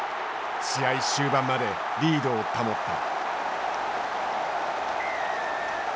試合終盤までリードを保った。